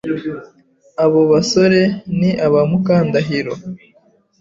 Abo bose ni ba Mukandahiro